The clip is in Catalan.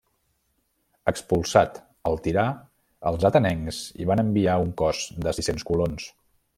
Expulsat el tirà els atenencs hi van enviar un cos de sis-cents colons.